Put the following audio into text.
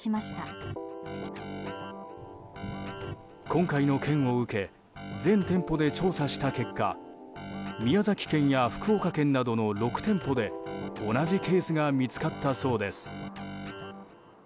今回の件を受け全店舗で調査した結果宮崎県や福岡県などの６店舗で同じケースが見つかったそうです。